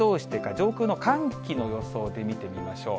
上空の寒気の予想で見てみましょう。